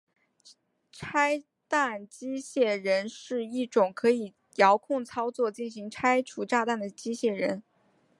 拆弹机械人是一种可以遥控操作进行拆除炸弹的机械人。